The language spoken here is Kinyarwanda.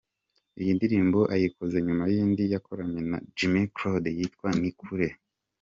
Iyi ndirimbo ayikoze nyuma y’indi yakoranye na Jimmy Claude yitwa “Ni kure”.